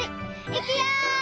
いくよ！